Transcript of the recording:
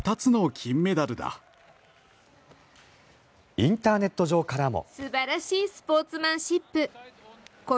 インターネット上からも。